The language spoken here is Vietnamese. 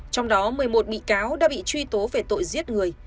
trong đó một mươi một bị cáo đã bị truy tố về tội giết người